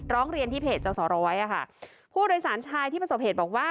ร้องเรียนที่เพจจสร้อยอ่ะค่ะผู้โดยสารชายที่ประสบเหตุบอกว่า